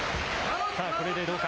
これでどうか。